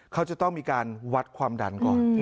เขาจะต้องมีการวัดความดันก่อน